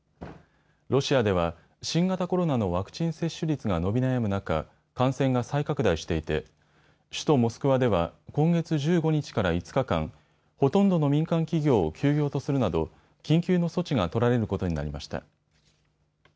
ロシアでは新型コロナのワクチン接種率が伸び悩む中、感染が再拡大していて首都モスクワでは今月１５日から５日間、ほとんどの民間企業を休業とするなど緊急の措置が取られることになりました。